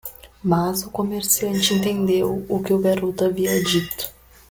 Mas o comerciante entendeu o que o garoto havia dito.